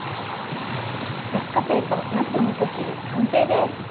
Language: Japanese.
落花生となすのみそ汁、完成です。